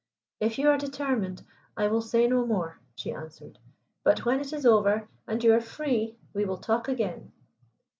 "If you are determined, I will say no more," she answered; "but when it is over, and you are free, we will talk again."